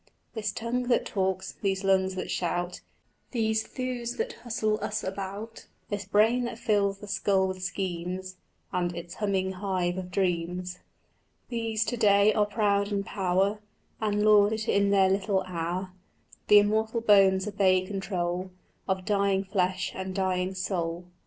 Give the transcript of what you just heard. "This tongue that talks, these lungs that shout, These thews that hustle us about, This brain that fills the skull with schemes, And its humming hive of dreams, " "These to day are proud in power And lord it in their little hour: The immortal bones obey control Of dying flesh and dying soul."